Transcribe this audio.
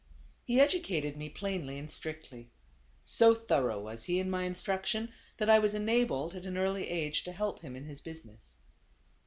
He educated me plainly and strictly. So thorough was he in my instruction that I was enabled at an early age to help him in his busi ness.